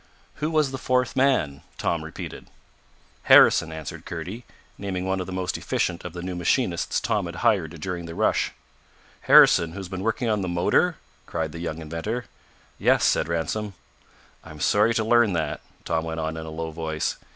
"Who was the fourth man?" Tom repeated. "Harrison," answered Kurdy, naming one of the most efficient of the new machinists Tom had hired during the rush. "Harrison, who has been working on the motor?" cried the young inventor. "Yes," said Ransom. "I'm sorry to learn that," Tom went on in a low voice.